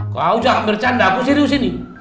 kau jangan bercanda aku serius ini